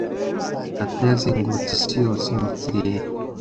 Data yazengurutse isi yose mu kirere.